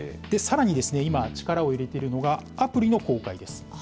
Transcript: さらに、今、力を入れているのが、アプリの公開です。